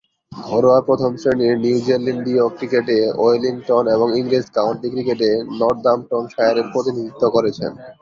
ঘরোয়া প্রথম-শ্রেণীর নিউজিল্যান্ডীয় ক্রিকেটে ওয়েলিংটন এবং ইংরেজ কাউন্টি ক্রিকেটে নর্দাম্পটনশায়ারের প্রতিনিধিত্ব করেছেন।